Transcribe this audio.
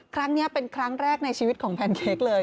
ครั้งนี้เป็นครั้งแรกในชีวิตของแพนเค้กเลย